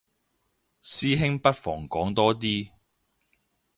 師兄不妨講多啲